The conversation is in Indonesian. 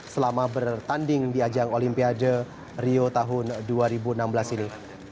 selama bertanding di ajang olimpiade rio tahun dua ribu enam belas ini